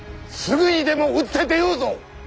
すぐにでも打って出ようぞ！